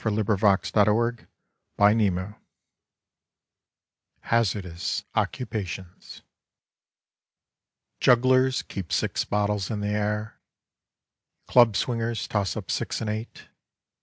Slabs of the Sunburnt West 39 HAZARDOUS OCCUPATIONS Jugglers keep six bottles in the air. Club swingers toss up six and eight.